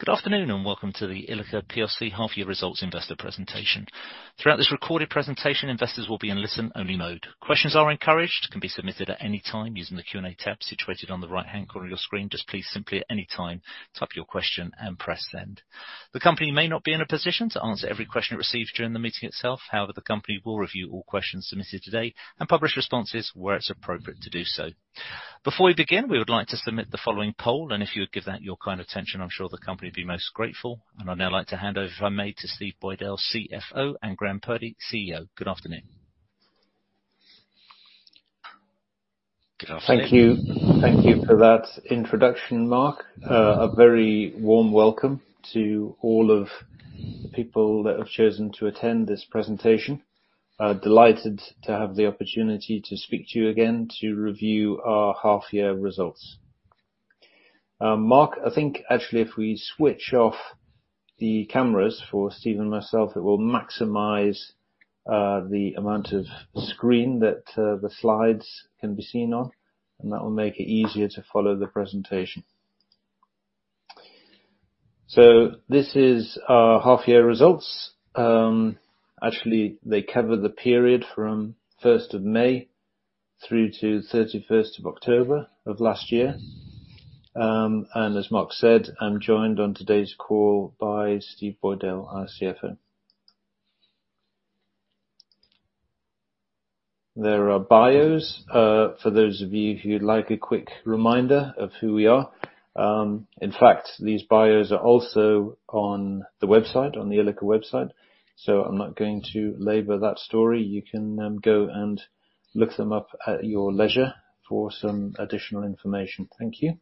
Good afternoon, and welcome to the Ilika plc half-year results investor presentation. Throughout this recorded presentation, investors will be in listen-only mode. Questions are encouraged, can be submitted at any time using the Q&A tab situated on the right-hand corner of your screen. Just please simply at any time type your question and press send. The company may not be in a position to answer every question it receives during the meeting itself. However, the company will review all questions submitted today and publish responses where it's appropriate to do so. Before we begin, we would like to submit the following poll, and if you would give that your kind attention, I'm sure the company will be most grateful. I'd now like to hand over, if I may, to Steve Boydell, CFO, and Graeme Purdy, CEO. Good afternoon. Good afternoon. Thank you. Thank you for that introduction, Mark. A very warm welcome to all of the people that have chosen to attend this presentation. Delighted to have the opportunity to speak to you again to review our half-year results. Mark, I think actually, if we switch off the cameras for Steve and myself, it will maximize the amount of screen that the slides can be seen on, and that will make it easier to follow the presentation. This is our half-year results. Actually, they cover the period from 1st of May through to 31st of October of last year. As Mark said, I'm joined on today's call by Steve Boydell, our CFO. There are bios for those of you who'd like a quick reminder of who we are. In fact, these bios are also on the website, on the Ilika website, so I'm not going to labor that story. You can, go and look them up at your leisure for some additional information. Thank you.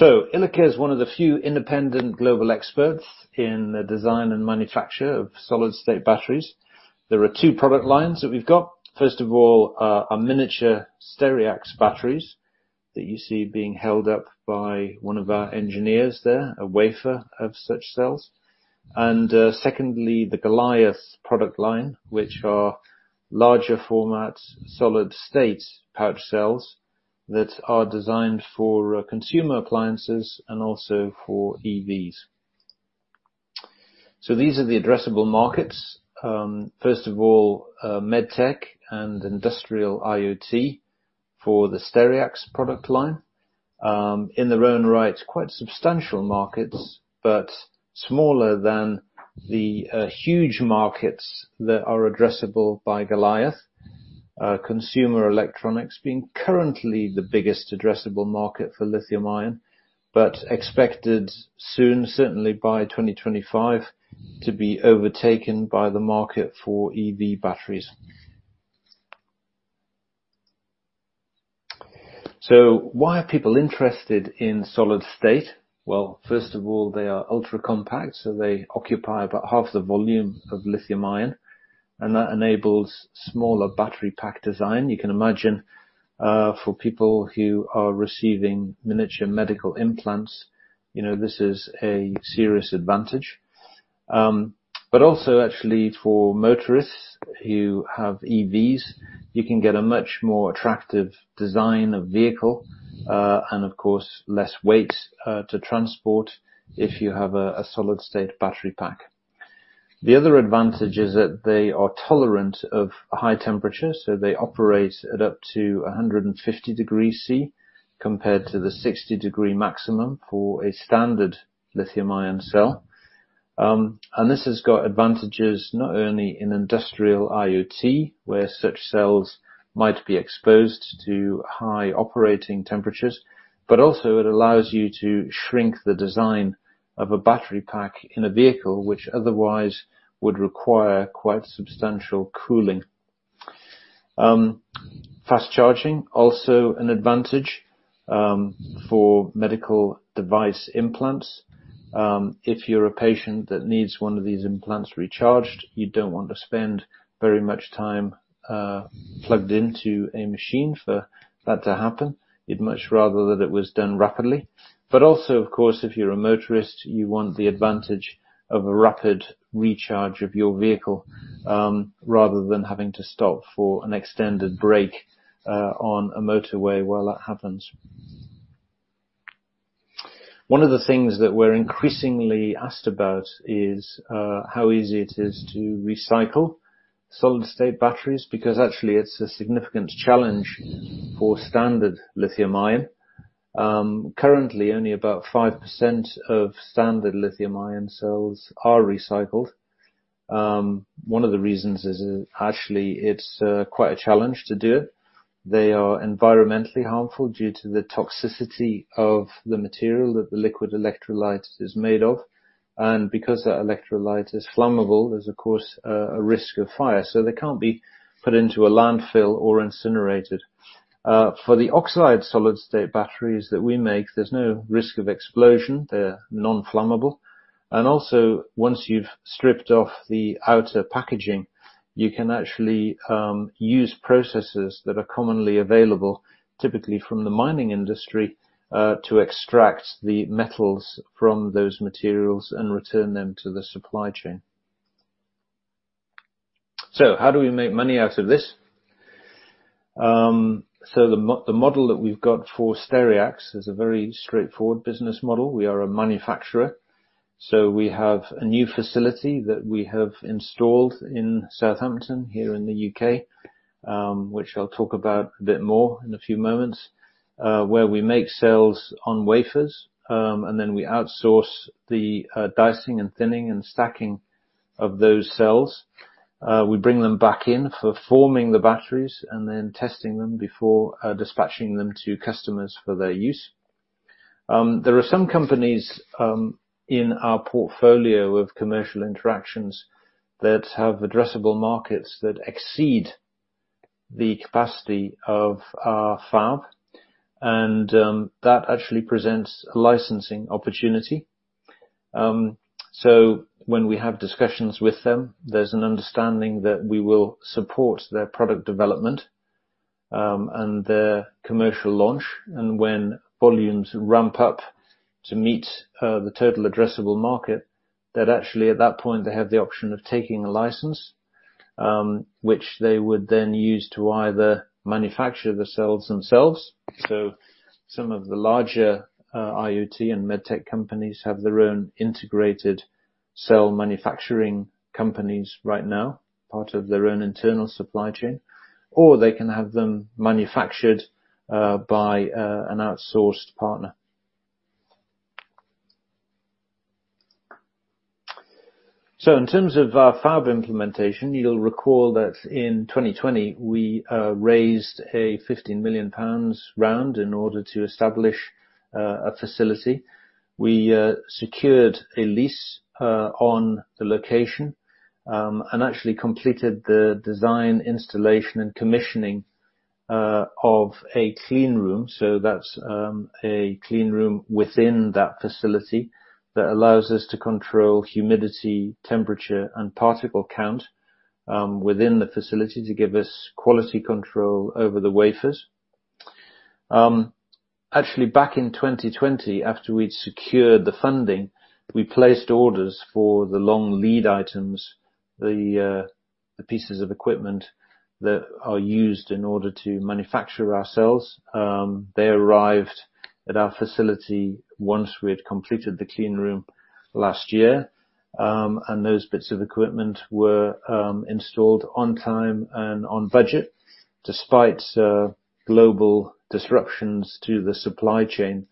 Ilika is one of the few independent global experts in the design and manufacture of solid-state batteries. There are two product lines that we've got. First of all, are miniature Stereax batteries that you see being held up by one of our engineers there, a wafer of such cells. Secondly, the Goliath product line, which are larger formats, solid-state pouch cells that are designed for, consumer appliances and also for EVs. These are the addressable markets. First of all, MedTech and industrial IoT for the Stereax product line. In their own right, quite substantial markets, but smaller than the huge markets that are addressable by Goliath. Consumer electronics being currently the biggest addressable market for lithium-ion, but expected soon, certainly by 2025, to be overtaken by the market for EV batteries. Why are people interested in solid-state? Well, first of all, they are ultra compact, so they occupy about half the volume of lithium-ion, and that enables smaller battery pack design. You can imagine for people who are receiving miniature medical implants, you know this is a serious advantage. But also actually for motorists who have EVs, you can get a much more attractive design of vehicle, and of course, less weight to transport if you have a solid-state battery pack. The other advantage is that they are tolerant of high temperatures, so they operate at up to 150 degrees Celcius compared to the 60 degrees Celcius maximum for a standard lithium-ion cell. This has got advantages not only in industrial IoT, where such cells might be exposed to high operating temperatures, but also it allows you to shrink the design of a battery pack in a vehicle which otherwise would require quite substantial cooling. Fast charging, also an advantage for medical device implants. If you're a patient that needs one of these implants recharged, you don't want to spend very much time plugged into a machine for that to happen. You'd much rather that it was done rapidly. Also, of course, if you're a motorist, you want the advantage of a rapid recharge of your vehicle, rather than having to stop for an extended break, on a motorway while that happens. One of the things that we're increasingly asked about is, how easy it is to recycle solid-state batteries, because actually it's a significant challenge for standard lithium-ion. Currently, only about 5% of standard lithium-ion cells are recycled. One of the reasons is actually it's quite a challenge to do. They are environmentally harmful due to the toxicity of the material that the liquid electrolyte is made of, and because that electrolyte is flammable, there's of course a risk of fire, so they can't be put into a landfill or incinerated. For the oxide solid-state batteries that we make, there's no risk of explosion. They're non-flammable. Once you've stripped off the outer packaging, you can actually use processes that are commonly available, typically from the mining industry, to extract the metals from those materials and return them to the supply chain. How do we make money out of this? The model that we've got for Stereax is a very straightforward business model. We are a manufacturer, so we have a new facility that we have installed in Southampton here in the U.K., which I'll talk about a bit more in a few moments, where we make sales on wafers, and then we outsource the dicing and thinning and stacking of those cells. We bring them back in for forming the batteries and then testing them before dispatching them to customers for their use. There are some companies in our portfolio of commercial interactions that have addressable markets that exceed the capacity of our fab, and that actually presents a licensing opportunity. When we have discussions with them, there's an understanding that we will support their product development and their commercial launch, and when volumes ramp up to meet the total addressable market, that actually, at that point, they have the option of taking a license, which they would then use to either manufacture the cells themselves. Some of the larger IoT and MedTech companies have their own integrated cell manufacturing companies right now, part of their own internal supply chain, or they can have them manufactured by an outsourced partner. In terms of our fab implementation, you'll recall that in 2020 we raised a 15 million pounds round in order to establish a facility. We secured a lease on the location and actually completed the design, installation, and commissioning of a clean room, so that's a clean room within that facility that allows us to control humidity, temperature, and particle count within the facility to give us quality control over the wafers. Actually back in 2020, after we'd secured the funding, we placed orders for the long lead items, the pieces of equipment that are used in order to manufacture our cells. They arrived at our facility once we had completed the clean room last year, and those bits of equipment were installed on time and on budget, despite global disruptions to the supply chain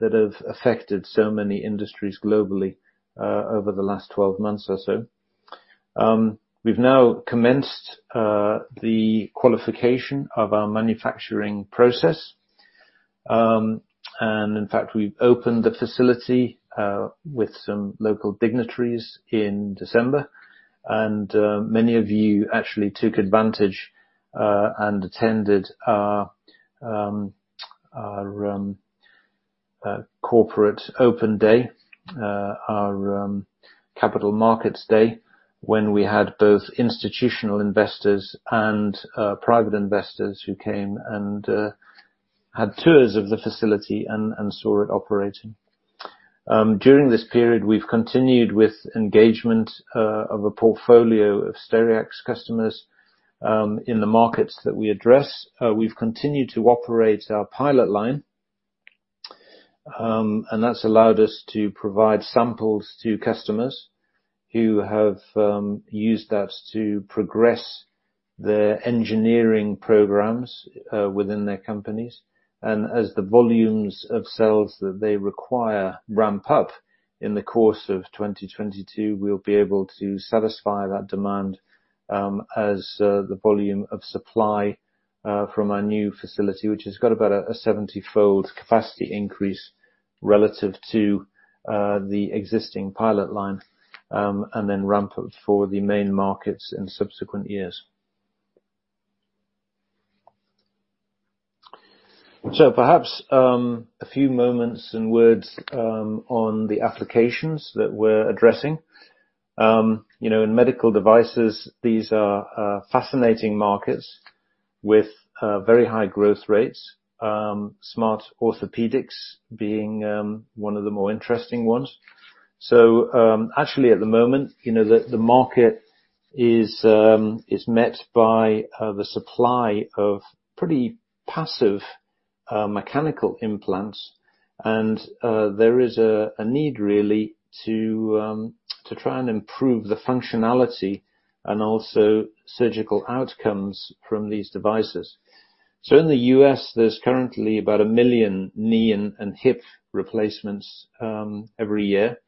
that have affected so many industries globally over the last 12 months or so. We've now commenced the qualification of our manufacturing process, and in fact, we've opened the facility with some local dignitaries in December and many of you actually took advantage and attended our corporate open day, our capital markets day when we had both institutional investors and private investors who came and had tours of the facility and saw it operating. During this period, we've continued with engagement of a portfolio of Stereax customers in the markets that we address. We've continued to operate our pilot line, and that's allowed us to provide samples to customers who have used that to progress their engineering programs within their companies. As the volumes of cells that they require ramp up in the course of 2022, we'll be able to satisfy that demand, as the volume of supply from our new facility, which has got about a 70-fold capacity increase relative to the existing pilot line, and then ramp up for the main markets in subsequent years. Perhaps a few moments and words on the applications that we're addressing. You know, in medical devices, these are fascinating markets with very high growth rates, smart orthopedics being one of the more interesting ones. Actually at the moment, you know, the market is met by the supply of pretty passive mechanical implants, and there is a need really to try and improve the functionality and also surgical outcomes from these devices. In the U.S., there's currently about 1 million knee and hip replacements every year,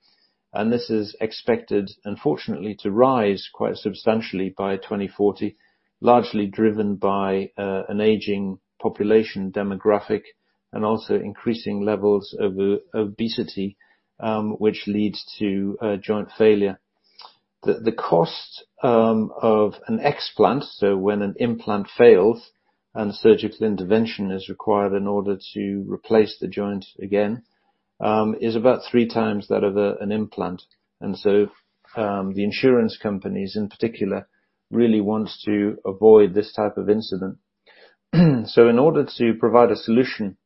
and this is expected, unfortunately, to rise quite substantially by 2040, largely driven by an aging population demographic and also increasing levels of obesity, which leads to joint failure. The cost of an explant, so when an implant fails and surgical intervention is required in order to replace the joint again, is about three times that of an implant. The insurance companies in particular really wants to avoid this type of incident. In order to provide a solution,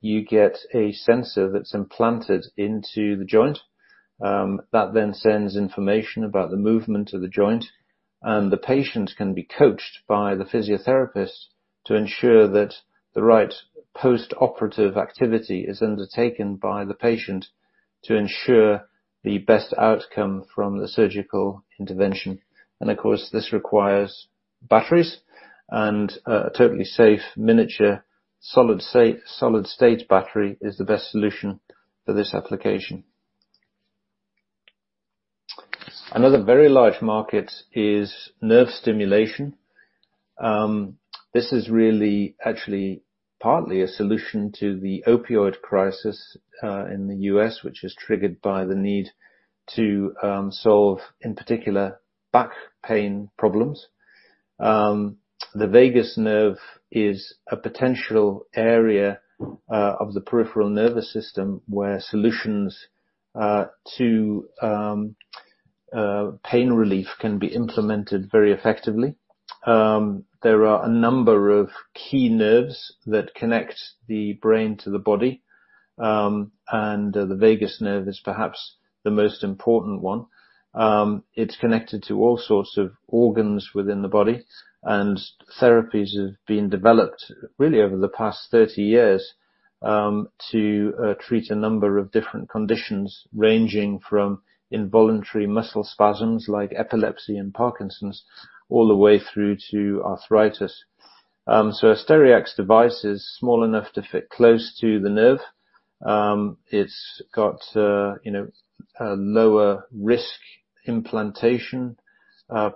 you get a sensor that's implanted into the joint, that then sends information about the movement of the joint, and the patient can be coached by the physiotherapist to ensure that the right postoperative activity is undertaken by the patient to ensure the best outcome from the surgical intervention. Of course, this requires batteries and a totally safe miniature solid-state battery is the best solution for this application. Another very large market is nerve stimulation. This is really actually partly a solution to the opioid crisis in the U.S., which is triggered by the need to solve, in particular, back pain problems. The vagus nerve is a potential area of the peripheral nervous system, where solutions to pain relief can be implemented very effectively. There are a number of key nerves that connect the brain to the body, and the vagus nerve is perhaps the most important one. It's connected to all sorts of organs within the body. Therapies have been developed really over the past 30 years to treat a number of different conditions, ranging from involuntary muscle spasms like epilepsy and Parkinson's, all the way through to arthritis. A Stereax device is small enough to fit close to the nerve. It's got, you know, a lower risk implantation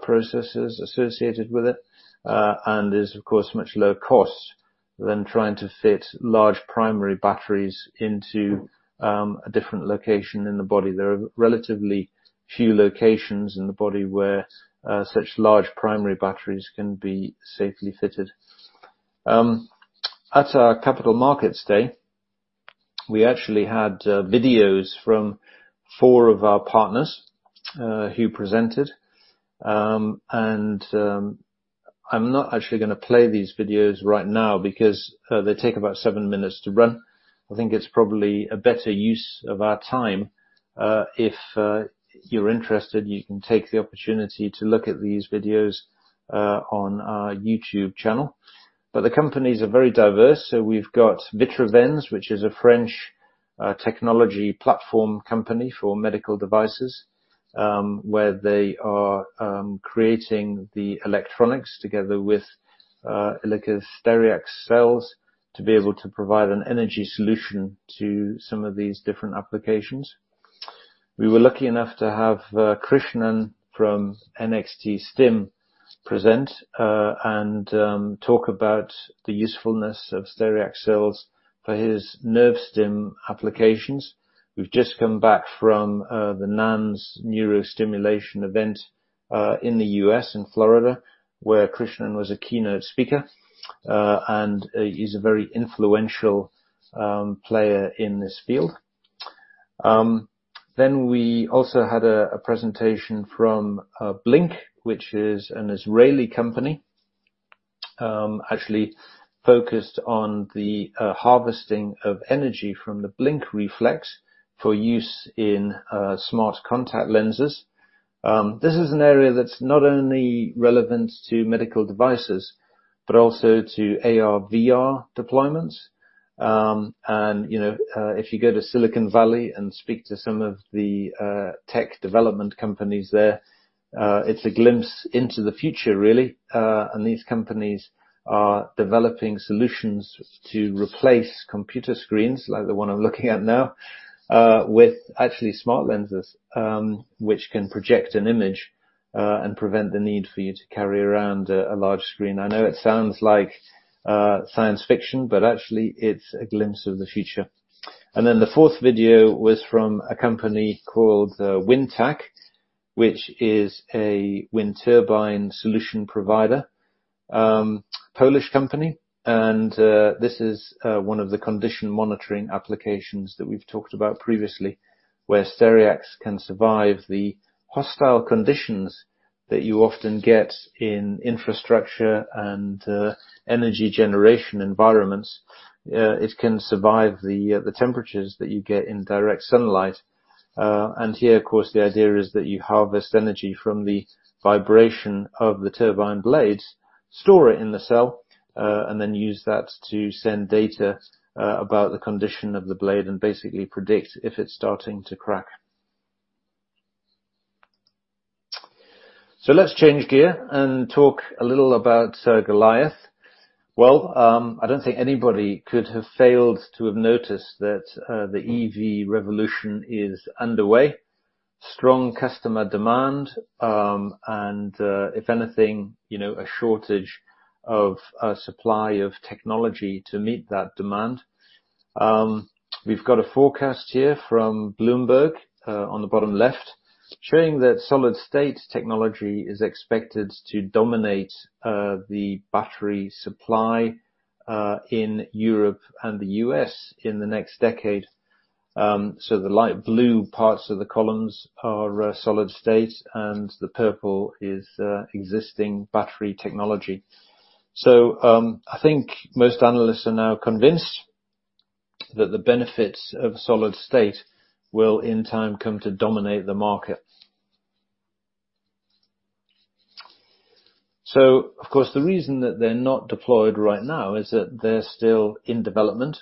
processes associated with it, and is, of course, much lower cost than trying to fit large primary batteries into a different location in the body. There are relatively few locations in the body where such large primary batteries can be safely fitted. At our Capital Markets Day, we actually had videos from four of our partners who presented. I'm not actually gonna play these videos right now because they take about seven minutes to run. I think it's probably a better use of our time if you're interested, you can take the opportunity to look at these videos on our YouTube channel. The companies are very diverse. We've got Vitruvens, which is a French technology platform company for medical devices, where they are creating the electronics together with Ilika's Stereax cells to be able to provide an energy solution to some of these different applications. We were lucky enough to have Krishnan from NXTSTIM present and talk about the usefulness of Stereax cells for his nerve stim applications. We've just come back from the NANS Neurostimulation event in the U.S., in Florida, where Krishnan was a keynote speaker, and he's a very influential player in this field. We also had a presentation from Blink, which is an Israeli company, actually focused on the harvesting of energy from the blink reflex for use in smart contact lenses. This is an area that's not only relevant to medical devices, but also to AR/VR deployments. You know, if you go to Silicon Valley and speak to some of the tech development companies there, it's a glimpse into the future, really. These companies are developing solutions to replace computer screens, like the one I'm looking at now, with actually smart lenses, which can project an image, and prevent the need for you to carry around a large screen. I know it sounds like science fiction, but actually, it's a glimpse of the future. The fourth video was from a company called WindTAK, which is a wind turbine solution provider, Polish company. This is one of the condition monitoring applications that we've talked about previously, where Stereax can survive the hostile conditions that you often get in infrastructure and energy generation environments. It can survive the temperatures that you get in direct sunlight. Here, of course, the idea is that you harvest energy from the vibration of the turbine blades, store it in the cell, and then use that to send data about the condition of the blade and basically predict if it's starting to crack. Let's change gear and talk a little about Goliath. I don't think anybody could have failed to have noticed that the EV revolution is underway. Strong customer demand, and if anything, you know, a shortage of supply of technology to meet that demand. We've got a forecast here from Bloomberg on the bottom left, showing that solid-state technology is expected to dominate the battery supply in Europe and the U.S. in the next decade. The light blue parts of the columns are solid-state, and the purple is existing battery technology. I think most analysts are now convinced that the benefits of solid-state will in time come to dominate the market. Of course, the reason that they're not deployed right now is that they're still in development.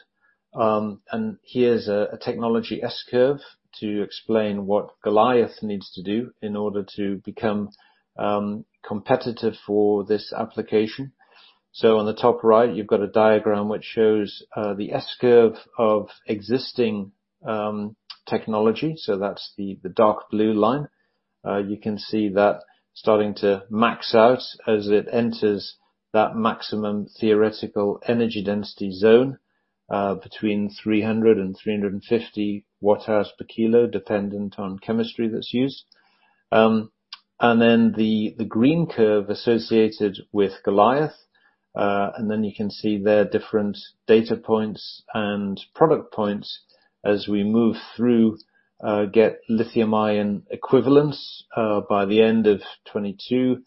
Here's a technology S-curve to explain what Goliath needs to do in order to become competitive for this application. On the top right, you've got a diagram which shows the S-curve of existing technology, so that's the dark blue line. You can see that starting to max out as it enters that maximum theoretical energy density zone, between 300 and 350 Wh/kg, dependent on chemistry that's used. The green curve associated with Goliath, you can see their different data points and product points as we move through, get lithium-ion equivalence, by the end of 2022,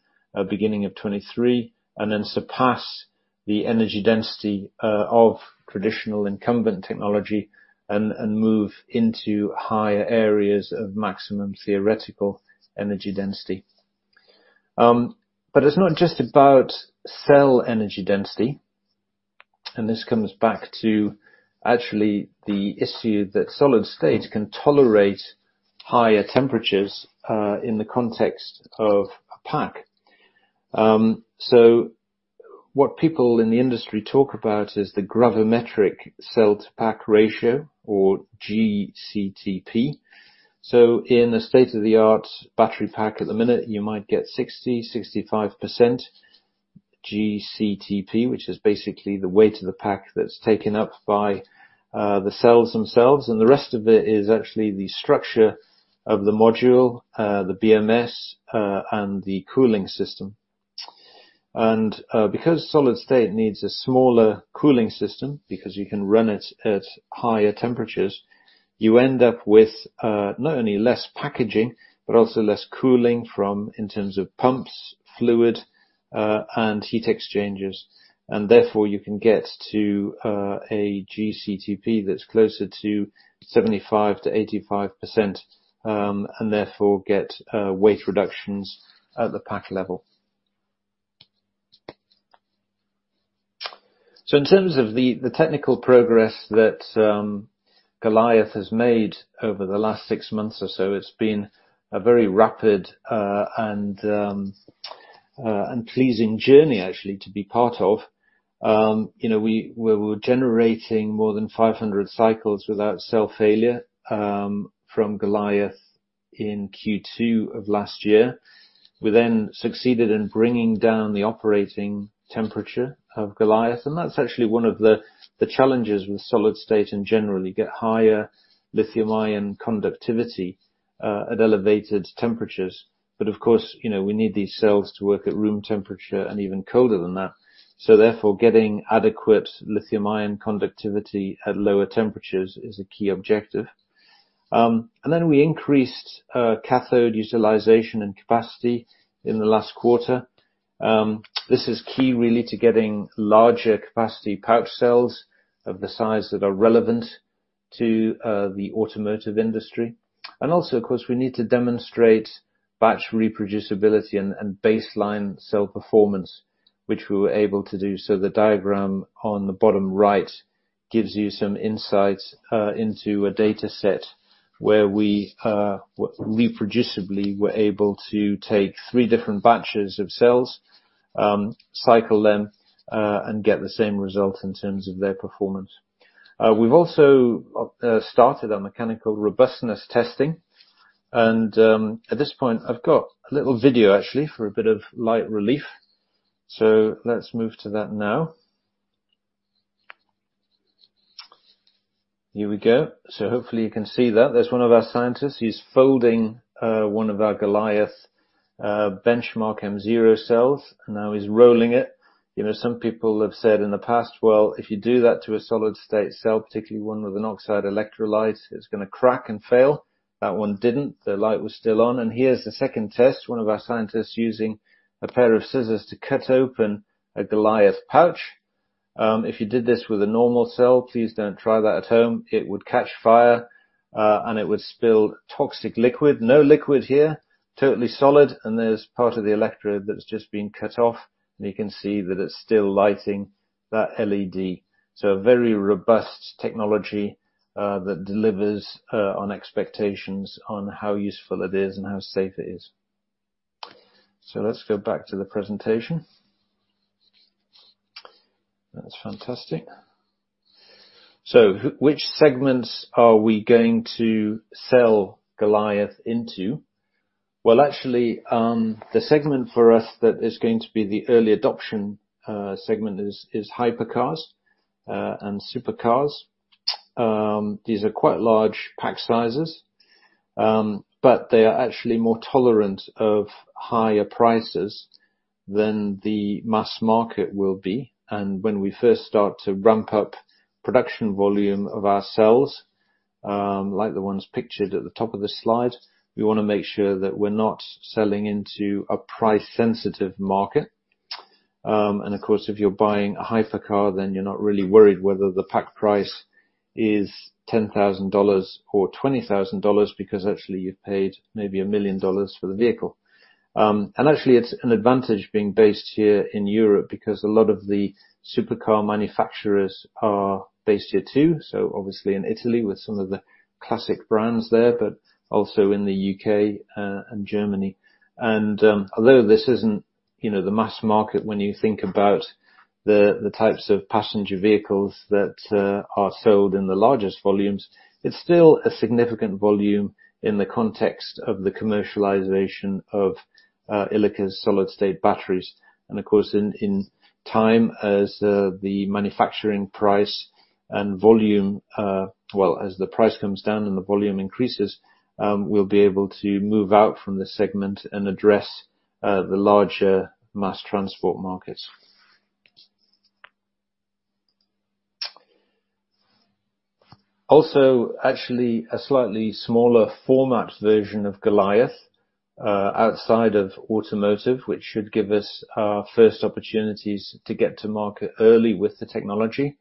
beginning of 2023, and then surpass the energy density of traditional incumbent technology and move into higher areas of maximum theoretical energy density. It's not just about cell energy density, and this comes back to actually the issue that solid-state can tolerate higher temperatures in the context of a pack. What people in the industry talk about is the gravimetric cell-to-pack ratio or GCTP. In a state-of-the-art battery pack at the minute, you might get 60%, 65% GCTP, which is basically the weight of the pack that's taken up by the cells themselves, and the rest of it is actually the structure of the module, the BMS, and the cooling system. Because solid state needs a smaller cooling system because you can run it at higher temperatures, you end up with not only less packaging, but also less cooling from, in terms of pumps, fluid, and heat exchangers, and therefore you can get to a GCTP that's closer to 75%-85%, and therefore get weight reductions at the pack level. In terms of the technical progress that Goliath has made over the last six months or so, it's been a very rapid and pleasing journey actually to be part of. You know, we were generating more than 500 cycles without cell failure from Goliath in Q2 of last year. We then succeeded in bringing down the operating temperature of Goliath, and that's actually one of the challenges with solid-state in general. You get higher lithium-ion conductivity at elevated temperatures. But of course, you know, we need these cells to work at room temperature and even colder than that. Therefore, getting adequate lithium-ion conductivity at lower temperatures is a key objective. And then we increased cathode utilization and capacity in the last quarter. This is key really to getting larger capacity pouch cells of the size that are relevant to the automotive industry. Also, of course, we need to demonstrate batch reproducibility and baseline cell performance, which we were able to do. The diagram on the bottom right gives you some insights into a data set where we reproducibly were able to take three different batches of cells, cycle them, and get the same result in terms of their performance. We've also started our mechanical robustness testing and at this point I've got a little video actually for a bit of light relief. Let's move to that now. Here we go. Hopefully you can see that. There's one of our scientists, he's folding one of our Goliath benchmark M0 cells, and now he's rolling it. You know, some people have said in the past, "Well, if you do that to a solid-state cell, particularly one with an oxide electrolyte, it's gonna crack and fail." That one didn't. The light was still on. Here's the second test, one of our scientists using a pair of scissors to cut open a Goliath pouch. If you did this with a normal cell, please don't try that at home, it would catch fire, and it would spill toxic liquid. No liquid here, totally solid, and there's part of the electrode that's just been cut off, and you can see that it's still lighting that LED. A very robust technology that delivers on expectations on how useful it is and how safe it is. Let's go back to the presentation. That's fantastic. Which segments are we going to sell Goliath into? Well, actually, the segment for us that is going to be the early adoption segment is hypercars and supercars. These are quite large pack sizes, but they are actually more tolerant of higher prices than the mass market will be. When we first start to ramp up production volume of our cells, like the ones pictured at the top of the slide, we wanna make sure that we're not selling into a price-sensitive market. Of course, if you're buying a hypercar, then you're not really worried whether the pack price is $10,000 or $20,000, because actually, you've paid maybe $1 million for the vehicle. Actually, it's an advantage being based here in Europe because a lot of the supercar manufacturers are based here too. Obviously in Italy, with some of the classic brands there, but also in the U.K. and Germany. Although this isn't, you know, the mass market, when you think about the types of passenger vehicles that are sold in the largest volumes, it's still a significant volume in the context of the commercialization of Ilika's solid-state batteries. Of course, in time as the manufacturing price and volume, well, as the price comes down and the volume increases, we'll be able to move out from this segment and address the larger mass transport markets. Also, actually a slightly smaller format version of Goliath, outside of automotive, which should give us our first opportunities to get to market early with the technology.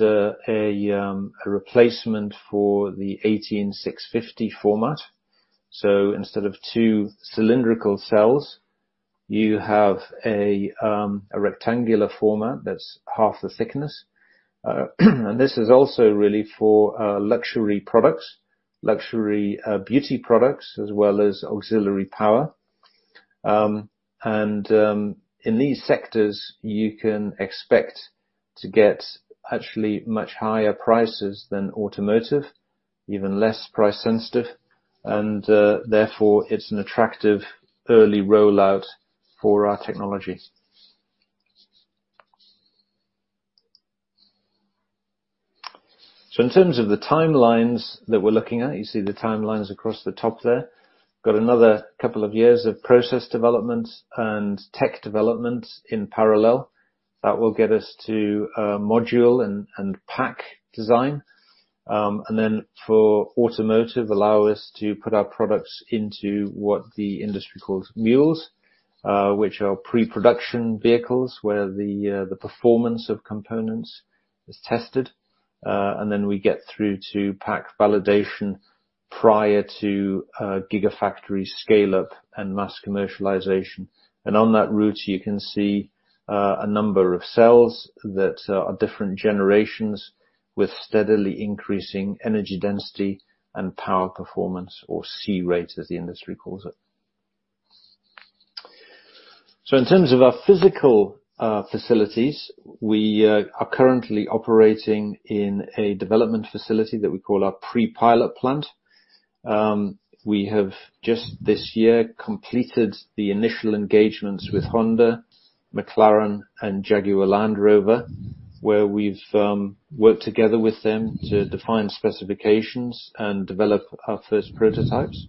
A replacement for the 18650 format. Instead of two cylindrical cells, you have a rectangular format that's half the thickness. This is also really for luxury products, luxury beauty products, as well as auxiliary power. In these sectors, you can expect to get actually much higher prices than automotive, even less price-sensitive, and therefore, it's an attractive early rollout for our technology. In terms of the timelines that we're looking at, you see the timelines across the top there. Got another couple of years of process development and tech development in parallel. That will get us to module and pack design, and then for automotive, allow us to put our products into what the industry calls mules, which are pre-production vehicles where the performance of components is tested. We get through to pack validation prior to Gigafactory scale-up and mass commercialization. On that route, you can see a number of cells that are different generations with steadily increasing energy density and power performance, or C-rate, as the industry calls it. In terms of our physical facilities, we are currently operating in a development facility that we call our pre-pilot plant. We have just this year completed the initial engagements with Honda, McLaren, and Jaguar Land Rover, where we've worked together with them to define specifications and develop our first prototypes.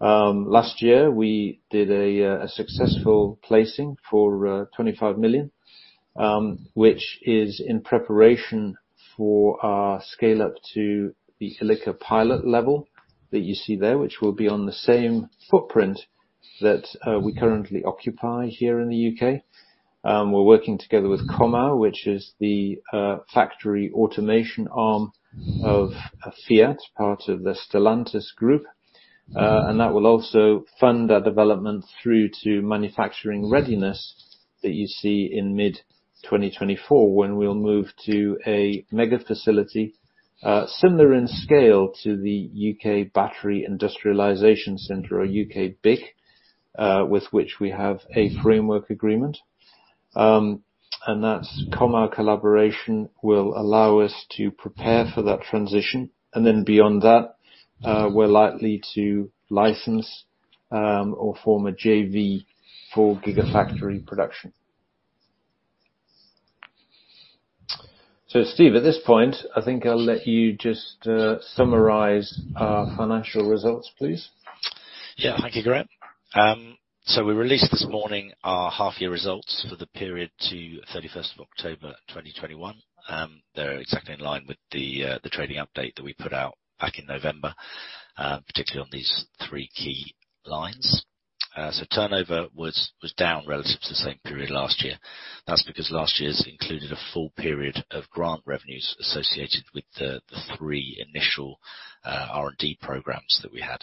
Last year, we did a successful placing for 25 million, which is in preparation for our scale up to the Ilika pilot level that you see there, which will be on the same footprint that we currently occupy here in the U.K. We're working together with Comau, which is the factory automation arm of Fiat, part of the Stellantis group. That will also fund our development through to manufacturing readiness that you see in mid-2024 when we'll move to a mega facility, similar in scale to the UK Battery Industrialization Center or UKBIC, with which we have a framework agreement. That Comau collaboration will allow us to prepare for that transition. Beyond that, we're likely to license or form a JV for gigafactory production. Steve, at this point, I think I'll let you just summarize our financial results, please. Thank you, Graeme. We released this morning our half-year results for the period to 31st of October 2021. They're exactly in line with the trading update that we put out back in November, particularly on these three key lines. Turnover was down relative to the same period last year. That's because last year's included a full period of grant revenues associated with the three initial R&D programs that we had.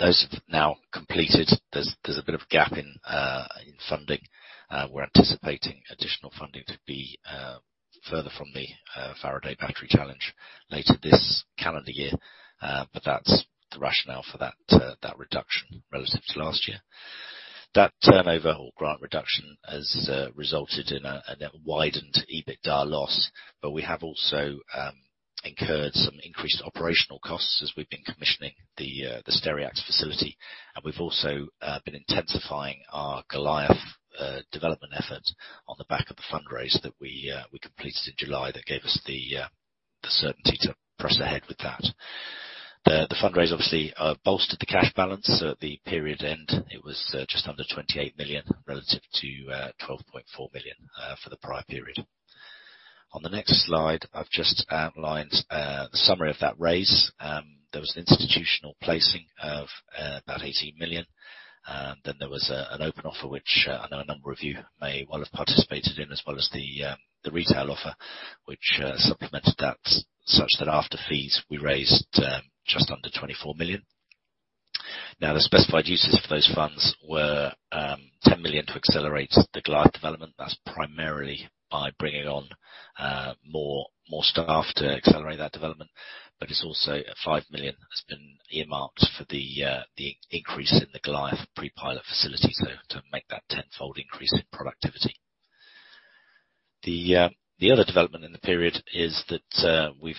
Those have now completed. There's a bit of a gap in funding. We're anticipating additional funding to be forthcoming from the Faraday Battery Challenge later this calendar year. That's the rationale for that reduction relative to last year. That turnover or grant reduction has resulted in a net widened EBITDA loss, but we have also incurred some increased operational costs as we've been commissioning the Stereax facility. We've also been intensifying our Goliath development effort on the back of the fundraise that we completed in July that gave us the certainty to press ahead with that. The fundraise obviously bolstered the cash balance at the period end. It was just under 28 million relative to 12.4 million for the prior period. On the next slide, I've just outlined summary of that raise. There was an institutional placing of about 18 million. There was an open offer, which I know a number of you may well have participated in, as well as the retail offer which supplemented that such that after fees we raised just under 24 million. Now the specified uses for those funds were 10 million to accelerate the Goliath development. That's primarily by bringing on more staff to accelerate that development. It's also a 5 million that's been earmarked for the increase in the Goliath pre-pilot facility to make that tenfold increase in productivity. The other development in the period is that we've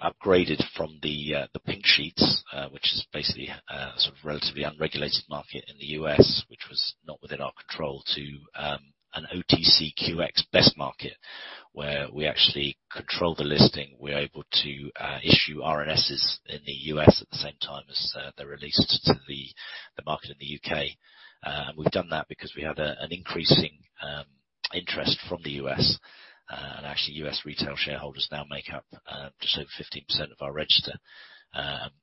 upgraded from the pink sheets, which is basically sort of relatively unregulated market in the U.S., which was not within our control to an OTCQX Best Market, where we actually control the listing. We're able to issue RNS's in the U.S. at the same time as they're released to the market in the U.K. We've done that because we had an increasing interest from the U.S., and actually, U.S. retail shareholders now make up just over 15% of our register.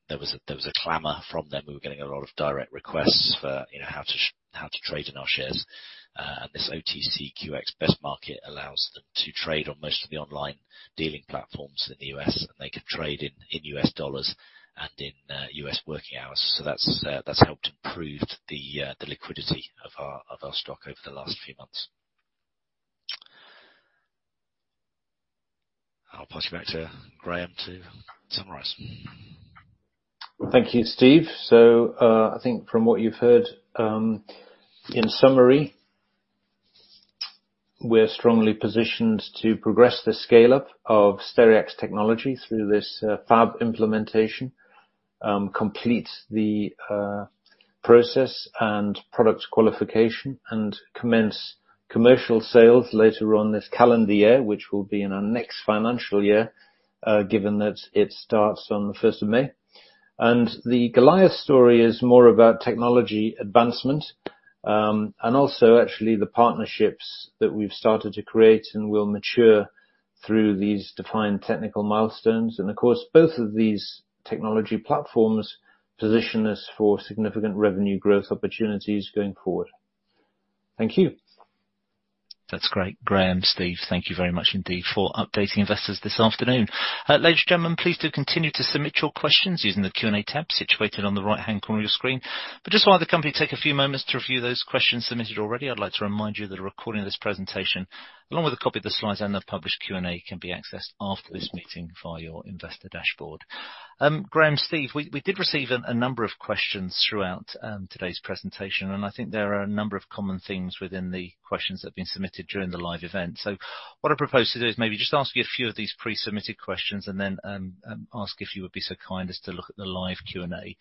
There was a clamor from them. We were getting a lot of direct requests for, you know, how to trade in our shares. This OTCQX Best Market allows them to trade on most of the online dealing platforms in the U.S., and they can trade in U.S. dollars and in U.S. working hours. That's helped improved the liquidity of our stock over the last few months. I'll pass you back to Graeme to summarize. Thank you, Steve. I think from what you've heard, in summary, we're strongly positioned to progress the scale-up of Stereax technology through this fab implementation, complete the process and product qualification and commence commercial sales later on this calendar year, which will be in our next financial year, given that it starts on the first of May. The Goliath story is more about technology advancement, and also actually the partnerships that we've started to create and will mature through these defined technical milestones. Of course, both of these technology platforms position us for significant revenue growth opportunities going forward. Thank you. That's great. Graeme, Steve, thank you very much indeed for updating investors this afternoon. Ladies and gentlemen, please do continue to submit your questions using the Q&A tab situated on the right-hand corner of your screen. Just while the company take a few moments to review those questions submitted already, I'd like to remind you that a recording of this presentation, along with a copy of the slides and the published Q&A, can be accessed after this meeting via your investor dashboard. Graeme, Steve, we did receive a number of questions throughout today's presentation, and I think there are a number of common themes within the questions that have been submitted during the live event. What I propose to do is maybe just ask you a few of these pre-submitted questions and then, ask if you would be so kind as to look at the live Q&A.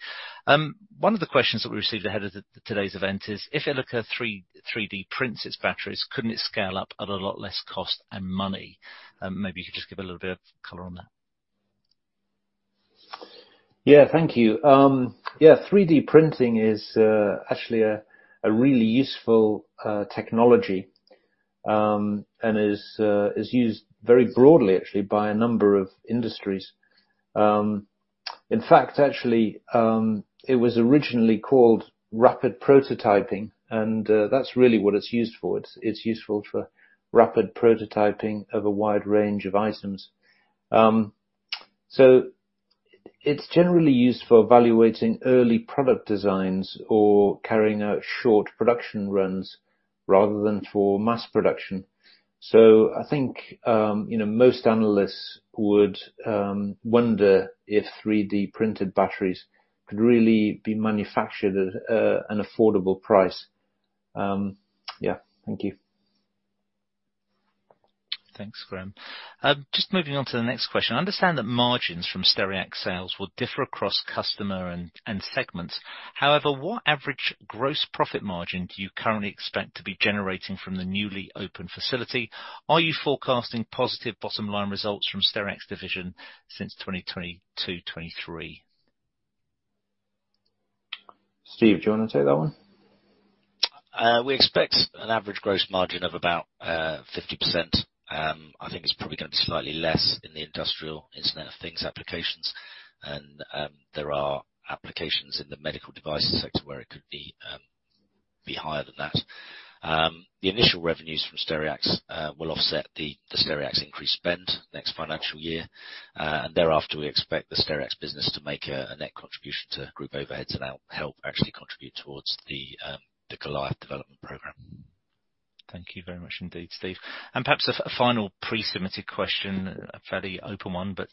One of the questions that we received ahead of today's event is, if Ilika 3D prints its batteries, couldn't it scale up at a lot less cost and money? Maybe you could just give a little bit of color on that. Yeah. Thank you. Yeah, 3D printing is actually a really useful technology, and is used very broadly actually by a number of industries. In fact, actually, it was originally called rapid prototyping, and that's really what it's used for. It's useful for rapid prototyping of a wide range of items. So it's generally used for evaluating early product designs or carrying out short production runs rather than for mass production. So I think, you know, most analysts would wonder if 3D printed batteries could really be manufactured at an affordable price. Yeah. Thank you. Thanks, Graeme. Just moving on to the next question. I understand that margins from Stereax sales will differ across customer and segments. However, what average gross profit margin do you currently expect to be generating from the newly open facility? Are you forecasting positive bottom line results from Stereax division since 2022/2023? Steve, do you wanna take that one? We expect an average gross margin of about 50%. I think it's probably gonna be slightly less in the industrial Internet of Things applications. There are applications in the medical device sector where it could be higher than that. The initial revenues from Stereax will offset the Stereax increased spend next financial year. Thereafter, we expect the Stereax business to make a net contribution to group overheads and help actually contribute towards the Goliath development program. Thank you very much indeed, Steve. Perhaps a final pre-submitted question, a fairly open one, but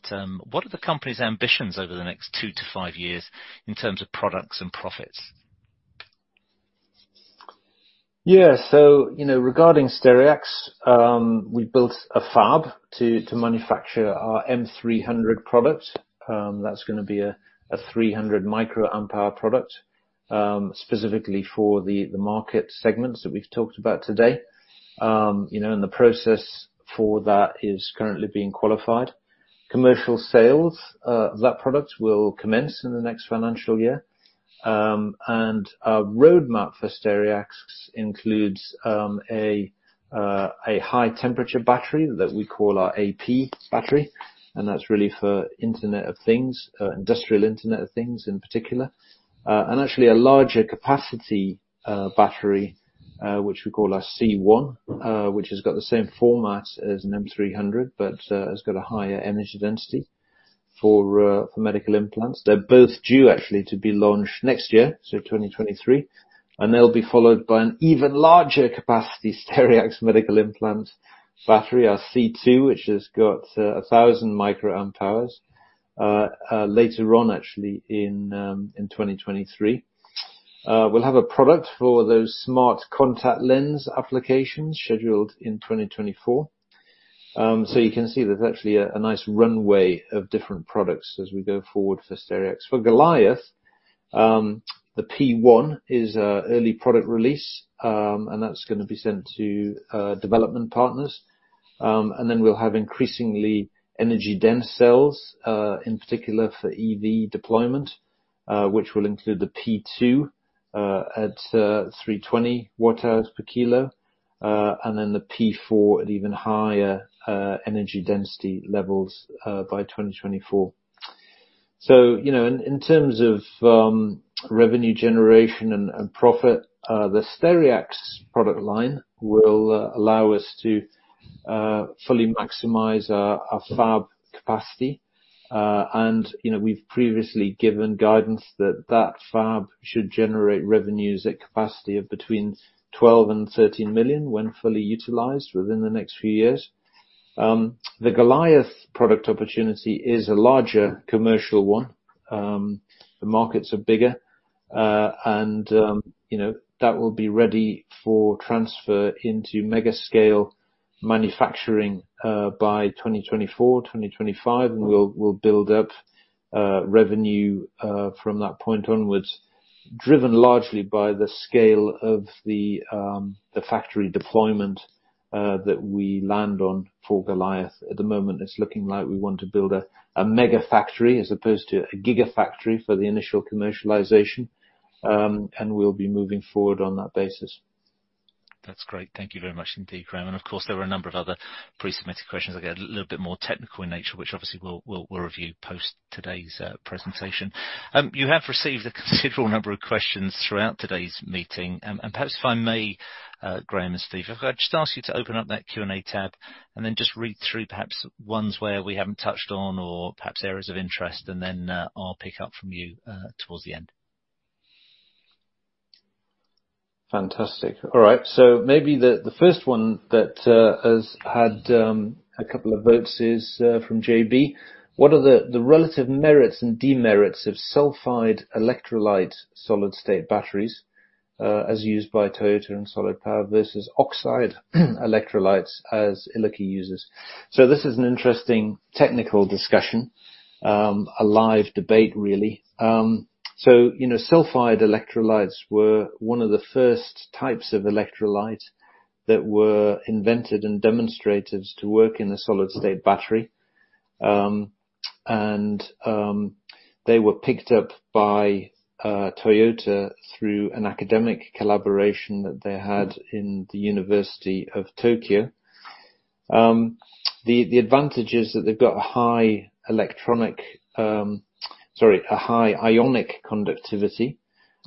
what are the company's ambitions over the next two to five years in terms of products and profits? Yeah. You know, regarding Stereax, we built a fab to manufacture our M300 product. That's gonna be a 300 microamp-hour product. Specifically for the market segments that we've talked about today, you know, and the process for that is currently being qualified. Commercial sales of that product will commence in the next financial year. Our roadmap for Stereax includes a high temperature battery that we call our AP battery, and that's really for Internet of Things, industrial Internet of Things in particular. Actually a larger capacity battery, which we call our C1, which has got the same format as an M300, but has got a higher energy density for medical implants. They're both due actually to be launched next year, so 2023, and they'll be followed by an even larger capacity Stereax Medical Implants battery, our C-two, which has got a 1000 microamp hours later on actually in 2023. We'll have a product for those smart contact lens applications scheduled in 2024. So you can see there's actually a nice runway of different products as we go forward for Stereax. For Goliath, the P1 is an early product release, and that's gonna be sent to development partners. Then we'll have increasingly energy dense cells in particular for EV deployment, which will include the P2 at 320Wh/kg, and then the P4 at even higher energy density levels by 2024. In terms of revenue generation and profit, the Stereax product line will allow us to fully maximize our fab capacity. You know, we've previously given guidance that that fab should generate revenues at capacity of between 12 million and 13 million when fully utilized within the next few years. The Goliath product opportunity is a larger commercial one. The markets are bigger, and that will be ready for transfer into mega scale manufacturing by 2024, 2025, and we'll build up revenue from that point onwards, driven largely by the scale of the factory deployment that we land on for Goliath. At the moment, it's looking like we want to build a mega factory as opposed to a giga factory for the initial commercialization, and we'll be moving forward on that basis. That's great. Thank you very much indeed, Graeme. Of course, there were a number of other pre-submitted questions, again, a little bit more technical in nature, which obviously we'll review post today's presentation. You have received a considerable number of questions throughout today's meeting, and perhaps if I may, Graeme and Steve, if I could just ask you to open up that Q&A tab and then just read through perhaps ones where we haven't touched on or perhaps areas of interest, and then I'll pick up from you towards the end. Fantastic. All right. Maybe the first one that has had a couple of votes is from JB. What are the relative merits and demerits of sulfide electrolyte solid-state batteries as used by Toyota and Solid Power versus oxide electrolytes as Ilika uses? This is an interesting technical discussion, a live debate really. You know, sulfide electrolytes were one of the first types of electrolytes that were invented and demonstrated to work in a solid-state battery. And they were picked up by Toyota through an academic collaboration that they had in the University of Tokyo. The advantage is that they've got a high ionic conductivity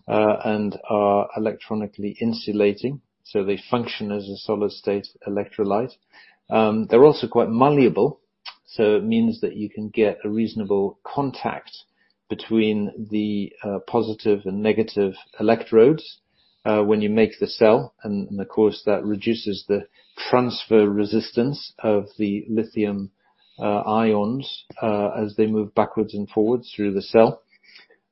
and are electronically insulating, so they function as a solid-state electrolyte. They're also quite malleable, so it means that you can get a reasonable contact between the positive and negative electrodes when you make the cell, and of course, that reduces the transfer resistance of the lithium ions as they move backwards and forwards through the cell.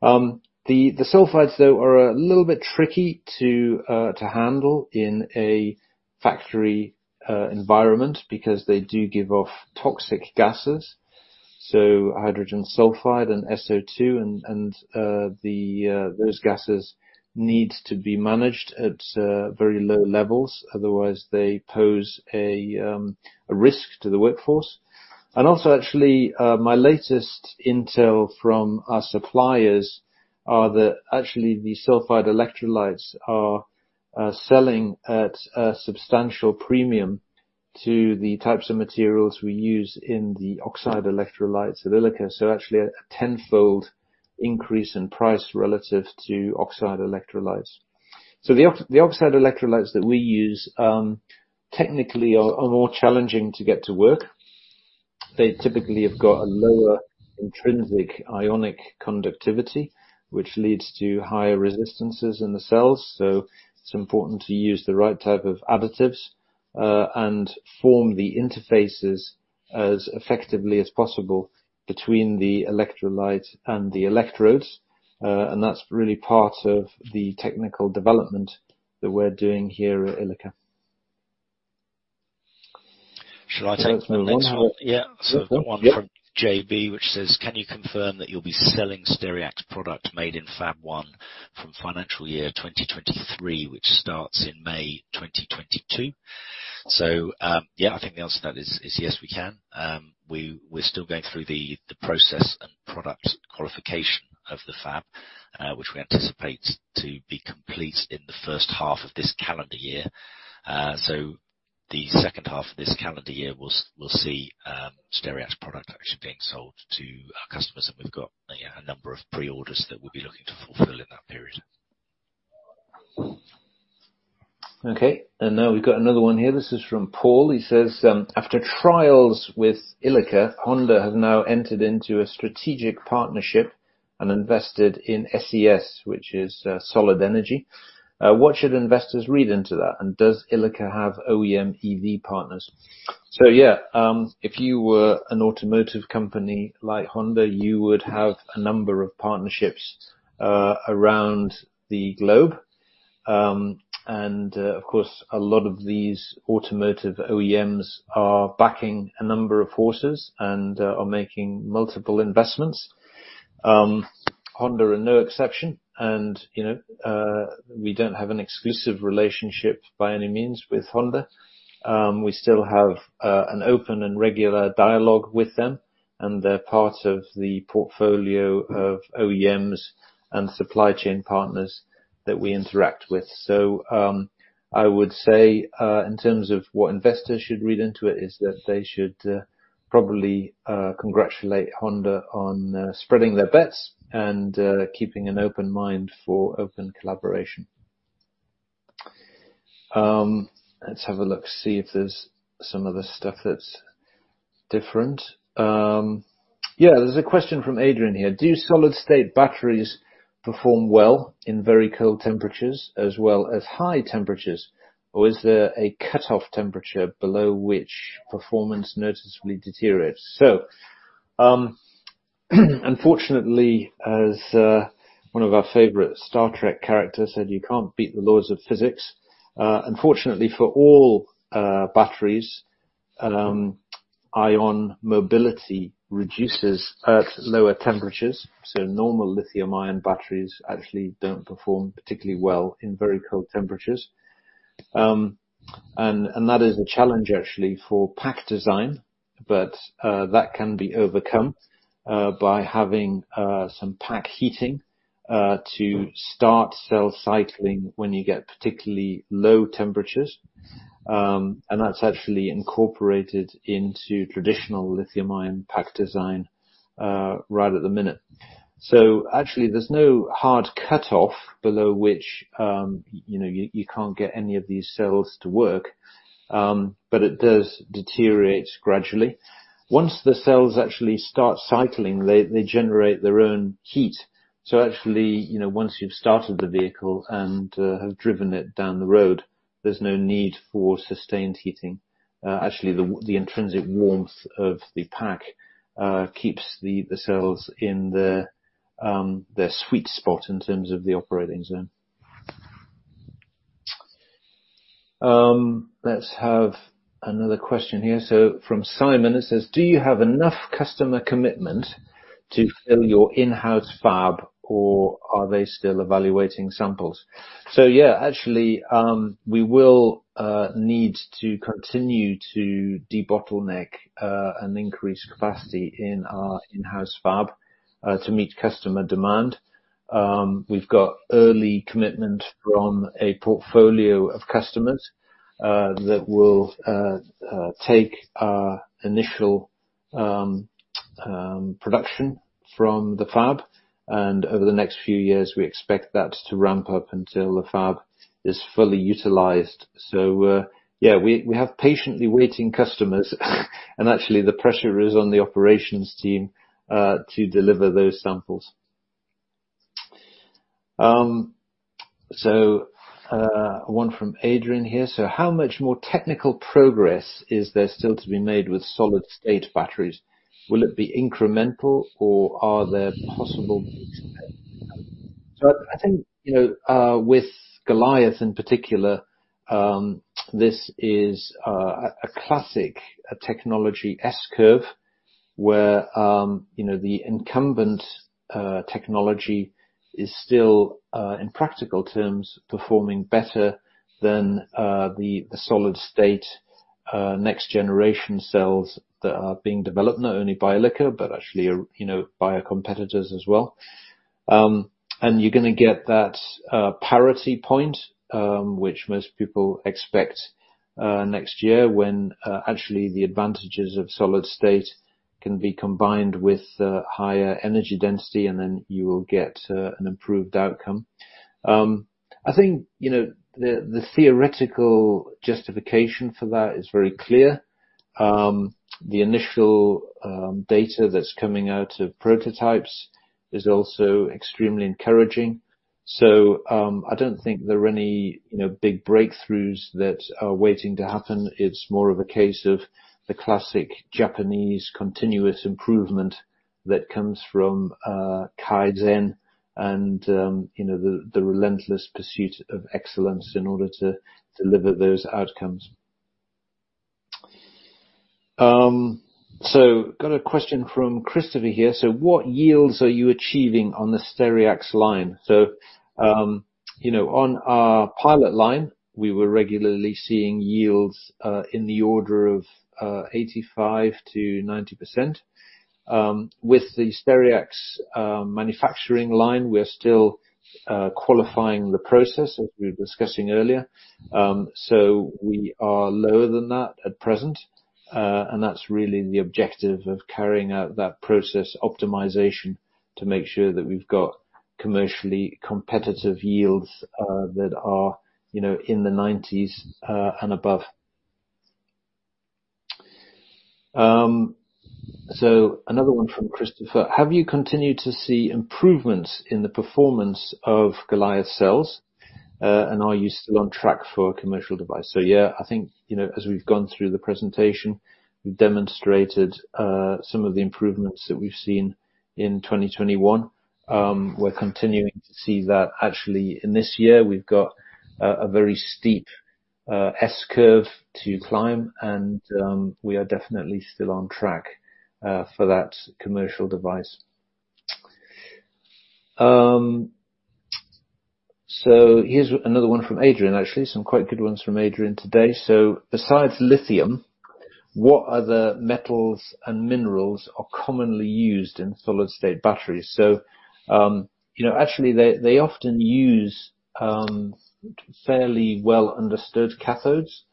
The sulfides though are a little bit tricky to handle in a factory environment because they do give off toxic gases, so hydrogen sulfide and SO2 and those gases need to be managed at very low levels, otherwise they pose a risk to the workforce. Actually, my latest intel from our suppliers are that actually the sulfide electrolytes are selling at a substantial premium to the types of materials we use in the oxide electrolytes at Ilika, so actually a tenfold increase in price relative to oxide electrolytes. The oxide electrolytes that we use, technically are more challenging to get to work. They typically have got a lower intrinsic ionic conductivity, which leads to higher resistances in the cells, so it's important to use the right type of additives, and form the interfaces as effectively as possible between the electrolyte and the electrodes. That's really part of the technical development that we're doing here at Ilika. Shall I take the next one? Yeah. Go on. Yeah. The one from JB which says, "Can you confirm that you'll be selling Stereax product made in fab one from financial year 2023, which starts in May 2022?" Yeah, I think the answer to that is yes, we can. We're still going through the process and product qualification of the fab, which we anticipate to be complete in the first half of this calendar year. The second half of this calendar year we'll see Stereax product actually being sold to our customers, and we've got a number of pre-orders that we'll be looking to fulfill in that period. Okay. Now we've got another one here. This is from Paul. He says, "After trials with Ilika, Honda have now entered into a strategic partnership and invested in SES, which is SES AI. What should investors read into that? And does Ilika have OEM EV partners?" Yeah, if you were an automotive company like Honda, you would have a number of partnerships around the globe. Of course, a lot of these automotive OEMs are backing a number of horses and are making multiple investments. Honda are no exception and, you know, we don't have an exclusive relationship by any means with Honda. We still have an open and regular dialogue with them, and they're part of the portfolio of OEMs and supply chain partners that we interact with. I would say, in terms of what investors should read into it, is that they should probably congratulate Honda on spreading their bets and keeping an open mind for open collaboration. Let's have a look, see if there's some other stuff that's different. Yeah, there's a question from Adrian here: Do solid-state batteries perform well in very cold temperatures as well as high temperatures, or is there a cutoff temperature below which performance noticeably deteriorates? Unfortunately, as one of our favorite Star Trek characters said, "You can't beat the laws of physics." Unfortunately for all batteries, ion mobility reduces at lower temperatures, so normal lithium-ion batteries actually don't perform particularly well in very cold temperatures. That is a challenge actually for pack design, but that can be overcome by having some pack heating to start cell cycling when you get particularly low temperatures. That's actually incorporated into traditional lithium-ion pack design right at the minute. Actually there's no hard cutoff below which you know you can't get any of these cells to work, but it does deteriorate gradually. Once the cells actually start cycling, they generate their own heat. Actually you know once you've started the vehicle and have driven it down the road, there's no need for sustained heating. Actually the intrinsic warmth of the pack keeps the cells in their sweet spot in terms of the operating zone. Let's have another question here. From Simon, it says, "Do you have enough customer commitment to fill your in-house fab, or are they still evaluating samples?" Yeah, actually, we will need to continue to debottleneck and increase capacity in our in-house fab to meet customer demand. We've got early commitment from a portfolio of customers that will take our initial production from the fab, and over the next few years, we expect that to ramp up until the fab is fully utilized. Yeah, we have patiently waiting customers, and actually the pressure is on the operations team to deliver those samples. One from Adrian here: How much more technical progress is there still to be made with solid-state batteries? I think, you know, with Goliath in particular, this is a classic technology S-curve where, you know, the incumbent technology is still, in practical terms, performing better than the solid-state next-generation cells that are being developed, not only by Ilika, but actually, you know, by our competitors as well. You're gonna get that parity point, which most people expect next year when, actually, the advantages of solid-state can be combined with the higher energy density, and then you will get an improved outcome. I think, you know, the theoretical justification for that is very clear. The initial data that's coming out of prototypes is also extremely encouraging. I don't think there are any, you know, big breakthroughs that are waiting to happen. It's more of a case of the classic Japanese continuous improvement. That comes from Kaizen and, you know, the relentless pursuit of excellence in order to deliver those outcomes. Got a question from Christopher here: What yields are you achieving on the Stereax line? On our pilot line, we were regularly seeing yields in the order of 85%-90%. With the Stereax manufacturing line, we're still qualifying the process, as we were discussing earlier. We are lower than that at present, and that's really the objective of carrying out that process optimization to make sure that we've got commercially competitive yields that are, you know, in the 90% and above. Another one from Christopher: Have you continued to see improvements in the performance of Goliath cells? And are you still on track for a commercial device? Yeah, I think, you know, as we've gone through the presentation, we've demonstrated some of the improvements that we've seen in 2021. We're continuing to see that actually in this year, we've got a very steep S-curve to climb, and we are definitely still on track for that commercial device. Here's another one from Adrian, actually, some quite good ones from Adrian today. Besides lithium, what other metals and minerals are commonly used in solid-state batteries? You know, actually they often use fairly well-understood cathodes.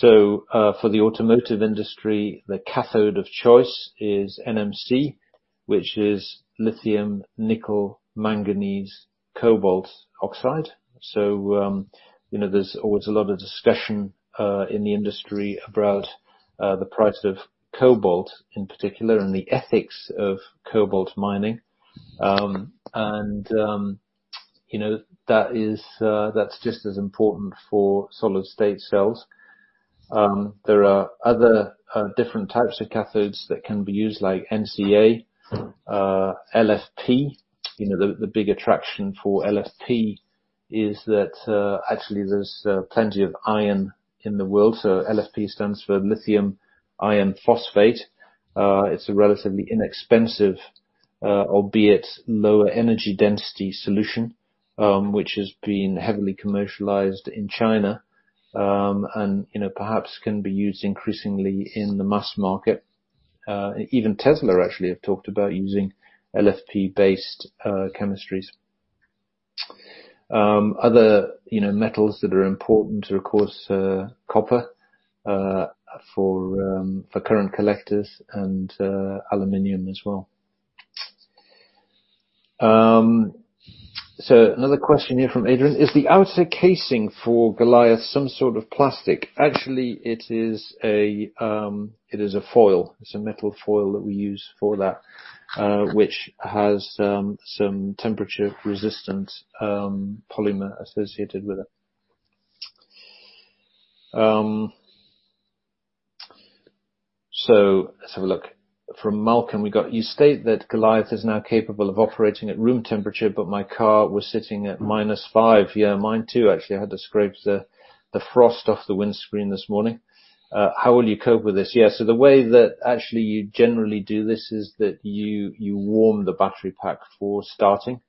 For the automotive industry, the cathode of choice is NMC, which is lithium nickel manganese cobalt oxide. You know, there's always a lot of discussion in the industry about the price of cobalt in particular, and the ethics of cobalt mining. You know, that is, that's just as important for solid-state cells. There are other different types of cathodes that can be used like NCA, LFP. You know, the big attraction for LFP is that actually there's plenty of iron in the world, so LFP stands for lithium iron phosphate. It's a relatively inexpensive, albeit lower energy density solution, which has been heavily commercialized in China. You know, perhaps can be used increasingly in the mass market. Even Tesla actually have talked about using LFP-based chemistries. Other, you know, metals that are important are, of course, copper for current collectors and aluminum as well. Another question here from Adrian: Is the outer casing for Goliath some sort of plastic? Actually, it is a foil. It's a metal foil that we use for that, which has some temperature-resistant polymer associated with it. Let's have a look. From Malcolm, we got: You state that Goliath is now capable of operating at room temperature, but my car was sitting at -5. Yeah, mine too. Actually, I had to scrape the frost off the windshield this morning. How will you cope with this? Yeah. The way that actually you generally do this is that you warm the battery pack for starting.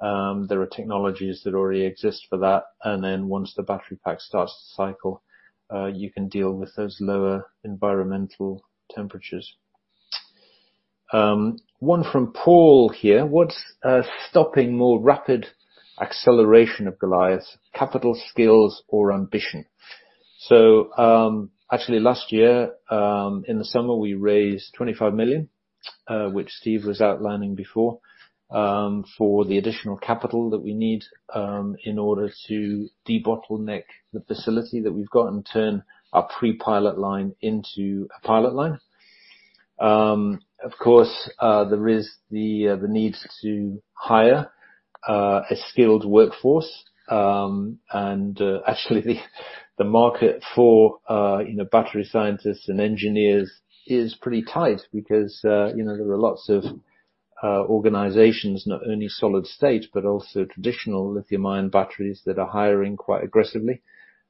There are technologies that already exist for that. Once the battery pack starts to cycle, you can deal with those lower environmental temperatures. One from Paul here: What's stopping more rapid acceleration of Goliath? Capital, skills, or ambition? Actually last year, in the summer, we raised 25 million, which Steve was outlining before, for the additional capital that we need, in order to debottleneck the facility that we've got and turn our pre-pilot line into a pilot line. Of course, there is the need to hire a skilled workforce. Actually the market for, you know, battery scientists and engineers is pretty tight because, you know, there are lots of organizations, not only solid-state, but also traditional lithium-ion batteries that are hiring quite aggressively.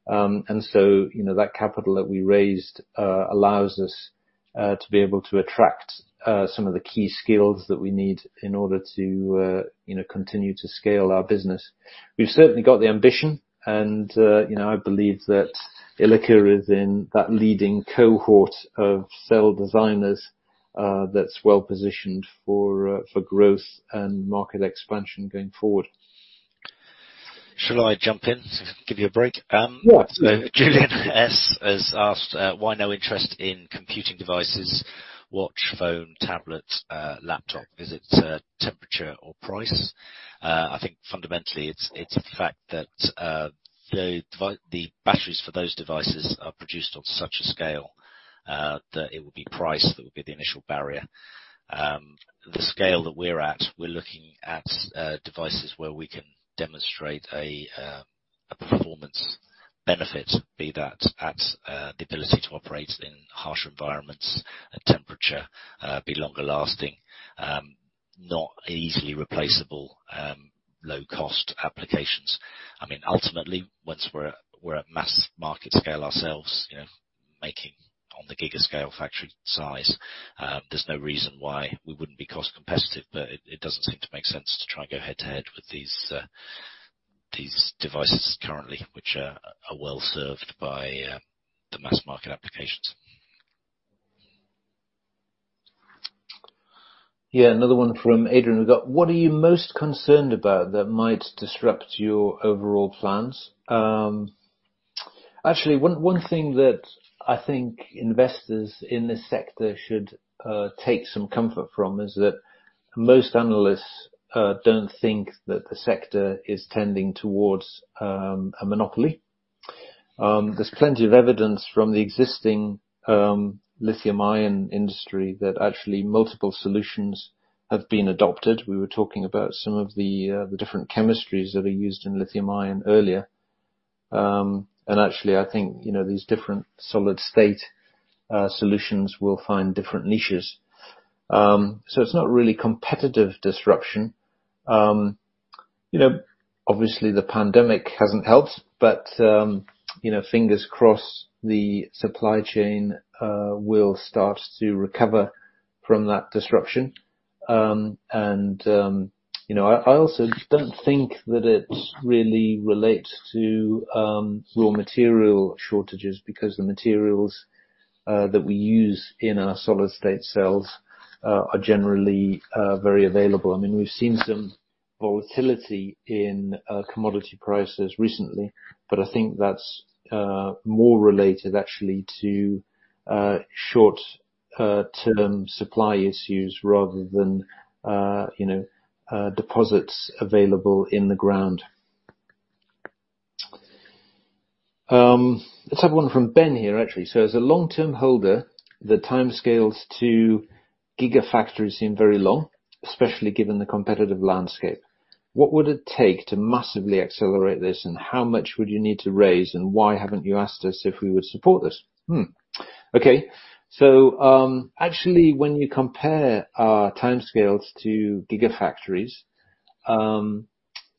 You know, that capital that we raised allows us to be able to attract some of the key skills that we need in order to you know continue to scale our business. We've certainly got the ambition and you know I believe that Ilika is in that leading cohort of cell designers that's well positioned for growth and market expansion going forward. Shall I jump in, give you a break? Yeah. Julian S has asked why no interest in computing devices, watch, phone, tablet, laptop? Is it temperature or price? I think fundamentally it's the fact that the batteries for those devices are produced on such a scale that it would be price that would be the initial barrier. The scale that we're at, we're looking at devices where we can demonstrate a performance benefit be that at the ability to operate in harsh environments and temperature, be longer lasting, not easily replaceable, low cost applications. I mean, ultimately, once we're at mass market scale ourselves, you know, making on the giga scale factory size, there's no reason why we wouldn't be cost competitive, but it doesn't seem to make sense to try and go head to head with these devices currently, which are well-served by the mass market applications. Another one from Adrian we've got, "What are you most concerned about that might disrupt your overall plans?" Actually, one thing that I think investors in this sector should take some comfort from is that most analysts don't think that the sector is tending towards a monopoly. There's plenty of evidence from the existing lithium-ion industry that actually multiple solutions have been adopted. We were talking about some of the different chemistries that are used in lithium-ion earlier. Actually I think, you know, these different solid-state solutions will find different niches. It's not really competitive disruption. You know, obviously the pandemic hasn't helped, but you know, fingers crossed, the supply chain will start to recover from that disruption. You know, I also don't think that it really relates to raw material shortages because the materials that we use in our solid-state cells are generally very available. I mean, we've seen some volatility in commodity prices recently, but I think that's more related actually to short term supply issues rather than you know deposits available in the ground. Let's have one from Ben here actually. "So as a long-term holder, the timescales to gigafactories seem very long, especially given the competitive landscape. What would it take to massively accelerate this, and how much would you need to raise, and why haven't you asked us if we would support this?" Hmm. Okay. Actually, when you compare our timescales to gigafactories,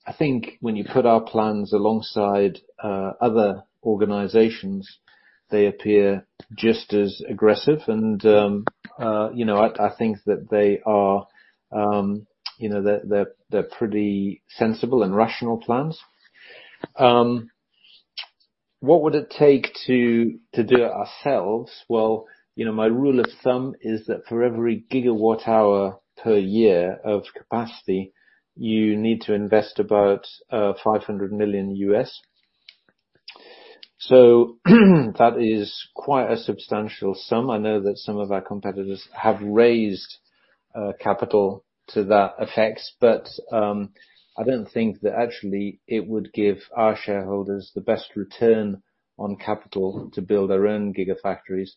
I think when you put our plans alongside other organizations, they appear just as aggressive and you know, I think that they are, you know, they're pretty sensible and rational plans. What would it take to do it ourselves? Well, you know, my rule of thumb is that for every GWh per year of capacity, you need to invest about $500 million. That is quite a substantial sum. I know that some of our competitors have raised capital to that effect, but I don't think that actually it would give our shareholders the best return on capital to build their own gigafactories.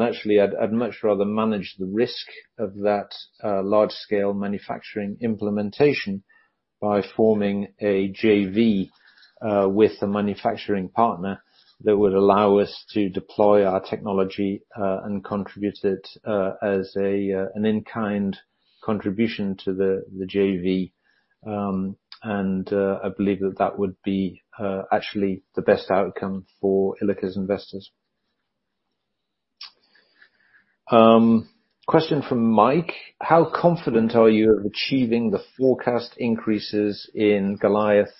Actually I'd much rather manage the risk of that large scale manufacturing implementation by forming a JV with a manufacturing partner that would allow us to deploy our technology and contribute it as an in-kind contribution to the JV. I believe that would be actually the best outcome for Ilika's investors. Question from Mike: "How confident are you of achieving the forecast increases in Goliath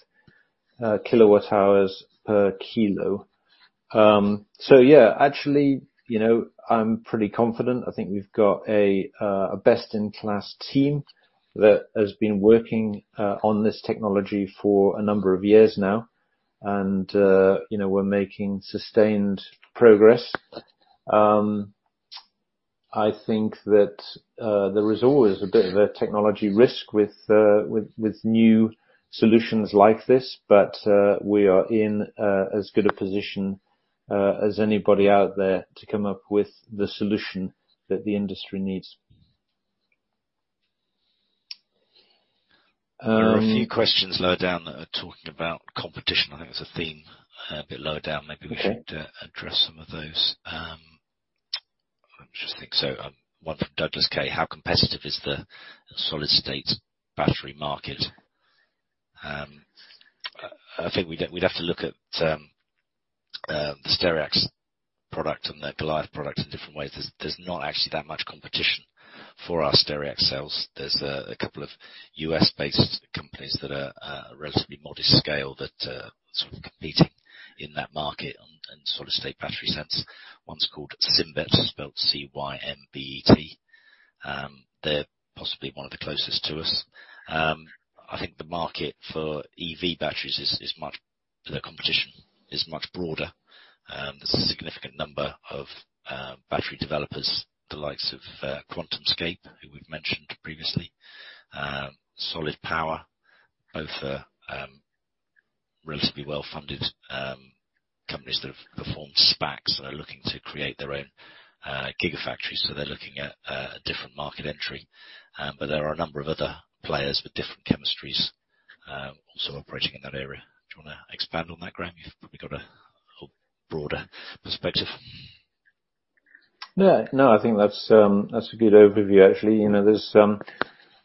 kWh/kg?" Yeah, actually, you know, I'm pretty confident. I think we've got a best-in-class team that has been working on this technology for a number of years now, and you know, we're making sustained progress. I think that there is always a bit of a technology risk with new solutions like this, but we are in as good a position as anybody out there to come up with the solution that the industry needs. There are a few questions lower down that are talking about competition. I think there's a theme a bit lower down. Okay. Maybe we should address some of those. I'm just thinking so. One from Douglas K: "How competitive is the solid-state battery market?" I think we'd have to look at the Stereax product and the Goliath product in different ways. There's not actually that much competition for our Stereax cells. There's a couple of U.S.-based companies that are relatively modest scale that sort of competing in that market in solid-state battery sense. One's called Cymbet, spelt C-Y-M-B-E-T. They're possibly one of the closest to us. I think the market for EV batteries is much broader. There's a significant number of battery developers, the likes of QuantumScape, who we've mentioned previously. Solid Power, both are relatively well-funded companies that have performed SPACs and are looking to create their own gigafactories. They're looking at a different market entry. There are a number of other players with different chemistries also operating in that area. Do you wanna expand on that, Graeme? You've probably got a whole broader perspective. No, no, I think that's a good overview, actually. You know, there's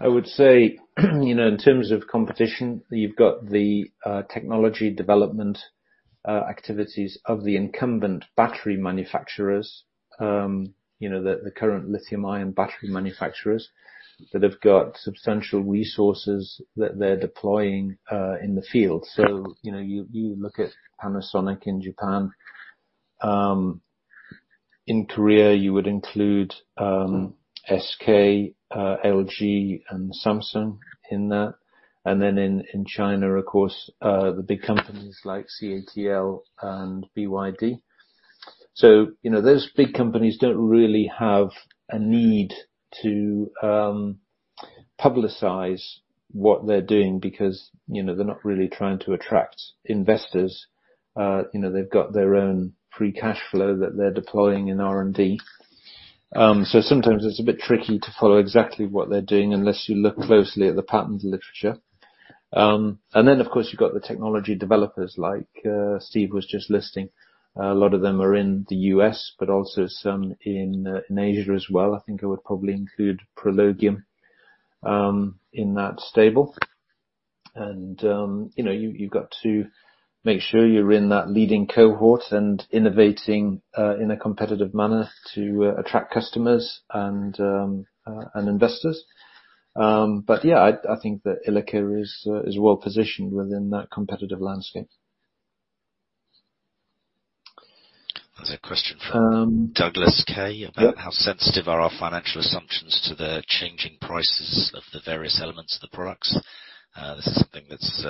I would say, you know, in terms of competition, you've got the technology development activities of the incumbent battery manufacturers, you know, the current lithium-ion battery manufacturers that have got substantial resources that they're deploying in the field. You know, you look at Panasonic in Japan. In Korea, you would include SK, LG, and Samsung in that. Then in China, of course, the big companies like CATL and BYD. You know, those big companies don't really have a need to publicize what they're doing because, you know, they're not really trying to attract investors. You know, they've got their own free cash flow that they're deploying in R&D. Sometimes it's a bit tricky to follow exactly what they're doing unless you look closely at the patent literature. Of course, you've got the technology developers like Steve was just listing. A lot of them are in the U.S., but also some in Asia as well. I think I would probably include ProLogium in that stable. You know, you've got to make sure you're in that leading cohort and innovating in a competitive manner to attract customers and investors. Yeah, I think that Ilika is well positioned within that competitive landscape. There's a question from Douglas K- Yep. About how sensitive are our financial assumptions to the changing prices of the various elements of the products? This is something that's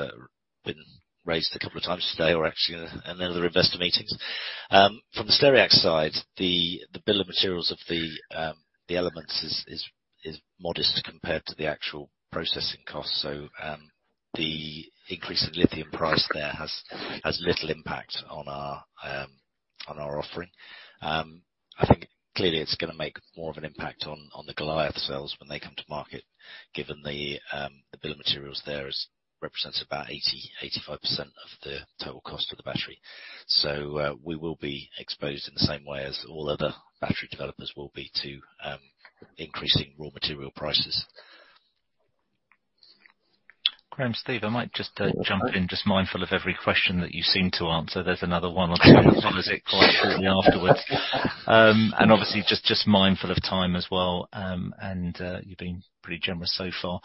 been raised a couple of times today or actually in another investor meetings. From the Stereax side, the bill of materials of the elements is modest compared to the actual processing cost. The increase in lithium price there has little impact on our offering. I think clearly it's gonna make more of an impact on the Goliath cells when they come to market, given the bill of materials there represents about 85% of the total cost of the battery. We will be exposed in the same way as all other battery developers will be to increasing raw material prices. Graeme, Steve, I might just jump in, just mindful of every question that you seem to answer. There's another one on public policy afterwards. And obviously just mindful of time as well, and you've been pretty generous so far.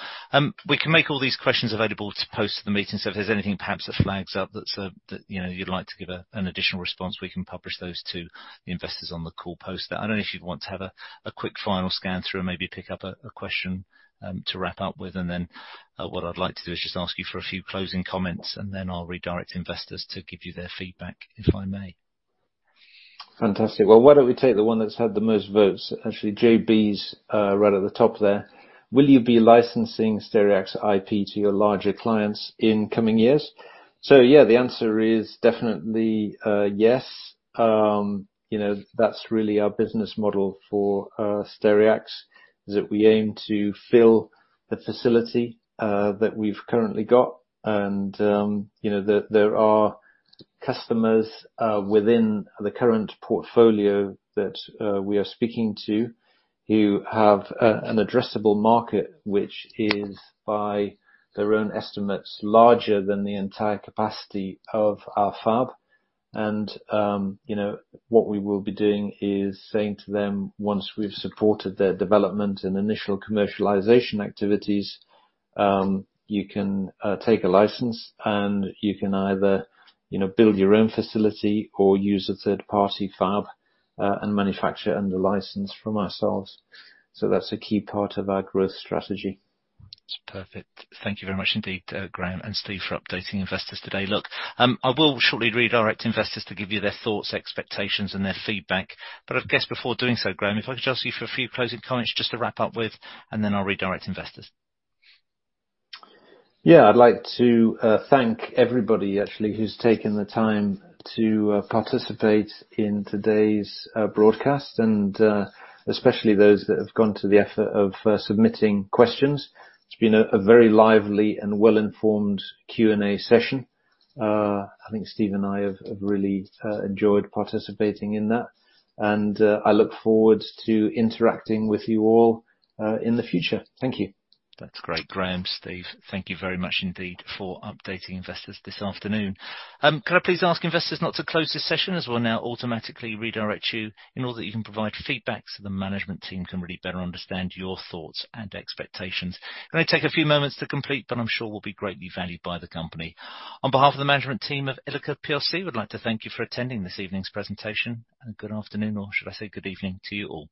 We can make all these questions available to post the meeting, so if there's anything perhaps that flags up that's that you know you'd like to give an additional response, we can publish those to the investors on the call post. I don't know if you'd want to have a quick final scan through or maybe pick up a question to wrap up with. Then what I'd like to do is just ask you for a few closing comments, and then I'll redirect investors to give you their feedback, if I may. Fantastic. Well, why don't we take the one that's had the most votes? Actually, JB's right at the top there. Will you be licensing Stereax IP to your larger clients in coming years? Yeah, the answer is definitely yes. You know, that's really our business model for Stereax, is that we aim to fill the facility that we've currently got. You know, there are customers within the current portfolio that we are speaking to who have an addressable market, which is, by their own estimates, larger than the entire capacity of our fab. What we will be doing is saying to them, once we've supported their development and initial commercialization activities, you can take a license and you can either build your own facility or use a third-party fab, and manufacture under license from ourselves. That's a key part of our growth strategy. That's perfect. Thank you very much indeed, Graeme and Steve, for updating investors today. Look, I will shortly redirect investors to give you their thoughts, expectations, and their feedback. I guess before doing so, Graeme, if I could ask you for a few closing comments just to wrap up with, and then I'll redirect investors. Yeah. I'd like to thank everybody, actually, who's taken the time to participate in today's broadcast and especially those that have gone to the effort of submitting questions. It's been a very lively and well-informed Q&A session. I think Steve and I have really enjoyed participating in that. I look forward to interacting with you all in the future. Thank you. That's great, Graeme, Steve. Thank you very much indeed for updating investors this afternoon. Could I please ask investors not to close this session, as we'll now automatically redirect you in order that you can provide feedback so the management team can really better understand your thoughts and expectations. It may take a few moments to complete, but I'm sure will be greatly valued by the company. On behalf of the management team of Ilika plc, we'd like to thank you for attending this evening's presentation, and good afternoon, or should I say good evening to you all.